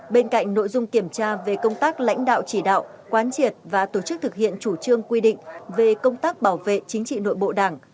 bên cạnh nội dung kiểm tra về công tác lãnh đạo chỉ đạo quán triệt và tổ chức thực hiện chủ trương quy định về công tác bảo vệ chính trị nội bộ đảng